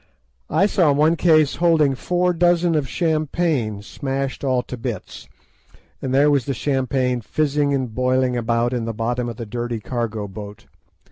I saw one case holding four dozen of champagne smashed all to bits, and there was the champagne fizzing and boiling about in the bottom of the dirty cargo boat.